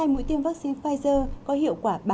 hai mũi tiêm vaccine pfizer có hiệu quả ba mươi một